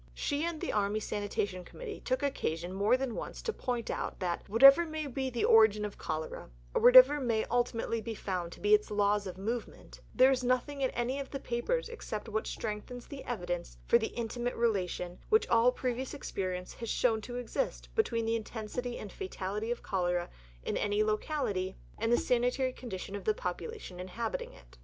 She and the Army Sanitary Committee took occasion more than once to point out that "whatever may be the origin of cholera, or whatever may ultimately be found to be its laws of movement, there is nothing in any of the papers except what strengthens the evidence for the intimate relation which all previous experience has shown to exist between the intensity and fatality of cholera in any locality and the sanitary condition of the population inhabiting it."